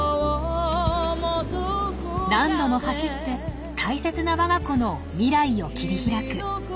何度も走って大切な我が子の未来を切り開く。